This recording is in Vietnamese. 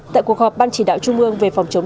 tại cuộc họp ban chỉ đạo trung ương về phòng chống